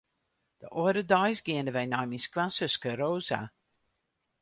De oare deis geane wy nei myn skoansuske Rosa.